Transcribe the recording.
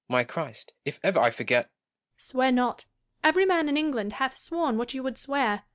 My Christ ! if ever I forget Joanna. Swear not : every man in England hath sworn what you would swear.